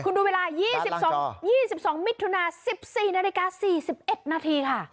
คุณดูเวลา๒๒มิถุนา๑๔นาฬิกา๔๑นาทีค่ะ